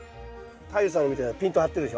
太陽さんのみたいなピンと張ってるでしょ。